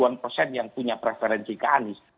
dua puluh an persen yang punya preferensi ke anies